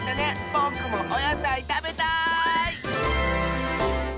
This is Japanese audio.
ぼくもおやさいたべたい！